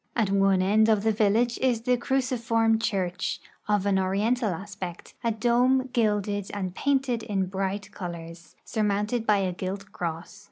At one end of the vil lage is the cruciform church, of an oriental aspect, a dome gilded and painted in bright colors, surmounted by a gilt cross.